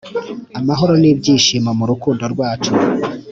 amahoro n’ibyishimo murukundo rwacu